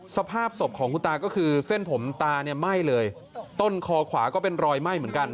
สภาพศพของคุณตาก็คือเส้นผมตาเนี่ยไหม้เลยต้นคอขวาก็เป็นรอยไหม้เหมือนกัน